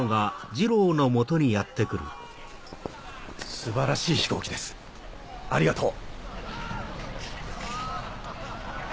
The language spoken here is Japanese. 素晴らしい飛行機ですありがとう。